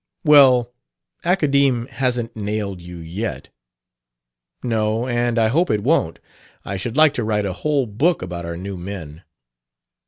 "Well, Academe hasn't nailed you yet!" "No; and I hope it won't. I should like to write a whole book about our new men."